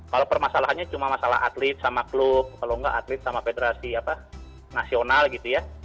kalau permasalahannya cuma masalah atlet sama klub kalau nggak atlet sama federasi nasional gitu ya